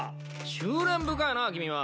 執念深いな君は。